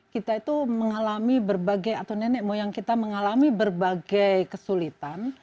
kita itu mengalami berbagai atau nenek moyang kita mengalami berbagai kesulitan